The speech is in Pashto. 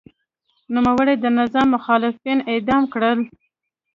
نوموړي د نظام مخالفین اعدام کړل.